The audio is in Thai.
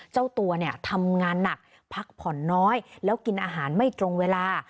เจ้าตัวเนี่ยทำงานหนักพักผ่อนน้อยแล้วกินอาหารไม่ตรงเวลา